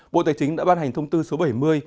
bộ tài chính đã ban hành thông tư số bảy mươi